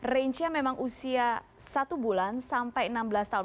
range nya memang usia satu bulan sampai enam belas tahun